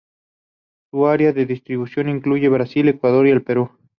Su área de distribución incluye Brasil, Ecuador, y el Perú.